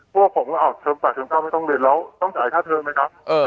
พวกผมก็เทอม๘เชิงเศร้าไม่ต้องเรียนแล้วต้องจ่ายค่าเทิมไหมครับ